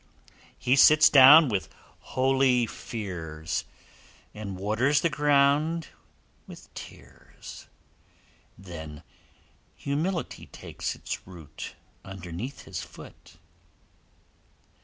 He sits down with holy fears, And waters the ground with tears; Then Humility takes its root Underneath his foot.